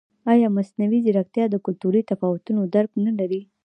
ایا مصنوعي ځیرکتیا د کلتوري تفاوتونو درک نه لري؟